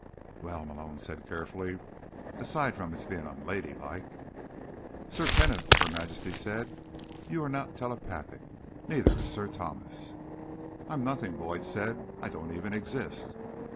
"Well," Malone said carefully, "aside from its being unladylike—" "Sir Kenneth," Her Majesty said, "you are not telepathic. Neither is Sir Thomas." "I'm nothing," Boyd said. "I don't even exist."